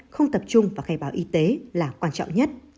không tập trung vào khai báo y tế là quan trọng nhất